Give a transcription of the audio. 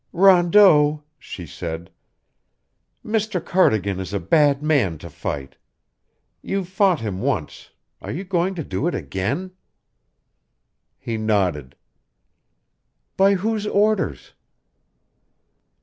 "Rondeau," she said, "Mr. Cardigan is a bad man to fight. You fought him once. Are you going to do it again?" He nodded. "By whose orders?"